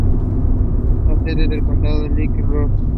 La sede del condado es Little Rock.